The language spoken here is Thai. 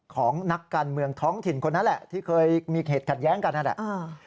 ของนักการเมืองท้องถิ่นคนนั้นแหละที่เคยมีเหตุขัดแย้งกันนั่นแหละ